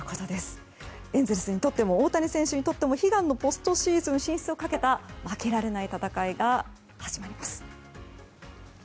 エンゼルスにとっても大谷選手にとっても悲願のポストシーズン進出をかけた、負けられない戦いが始まります。